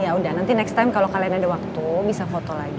ya udah nanti next time kalau kalian ada waktu bisa foto lagi